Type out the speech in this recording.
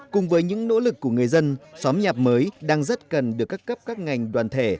cùng với những nỗ lực của người dân xóm nhà mới đang rất cần được các cấp các ngành đoàn thể